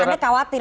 kan anda khawatir